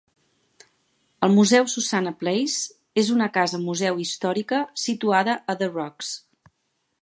El Museu Susannah Place és una casa museu històrica situada a The Rocks.